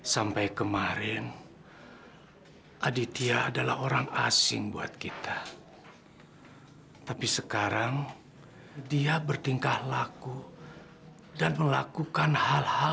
sampai jumpa di video selanjutnya